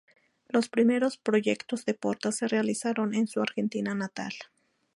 Los primeros proyectos de Porta se realizaron en su Argentina natal.